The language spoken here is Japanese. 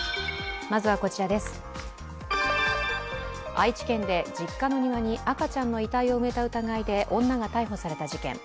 愛知県で実家の庭に赤ちゃんの遺体を埋めた疑いで女が逮捕された事件。